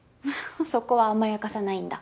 そこは甘やかさないんだ。